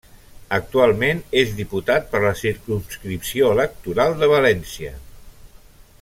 Actualment és Diputat per la Circumscripció electoral de València.